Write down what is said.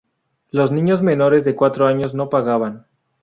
Los niños menores de cuatro años no pagaban.